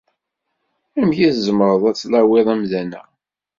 Amek i tzemreḍ ad tlawiḍ amdan-a?